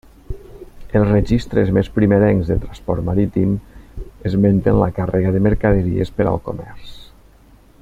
Els registres més primerencs de transport marítim esmenten la càrrega de mercaderies per al comerç.